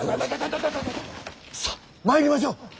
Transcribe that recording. さあ参りましょう！